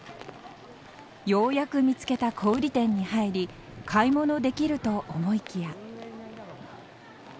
ようやく見つけた小売店に入り買い物できると思いきや。